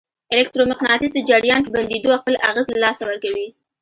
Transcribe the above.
الکترو مقناطیس د جریان په بندېدو خپل اغېز له لاسه ورکوي.